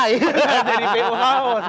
jadi po haos